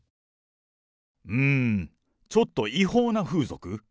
んー、ちょっと違法な風俗？